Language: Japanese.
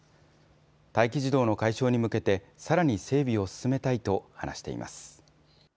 待機児童の解消に向けて、さらに整備を進めたいと話しています。